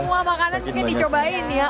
semua makanan mungkin dicobain ya